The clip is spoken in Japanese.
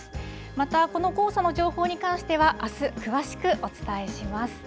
また、この黄砂の情報に関しては、あす、詳しくお伝えします。